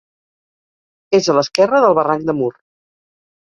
És a l'esquerra del barranc de Mur.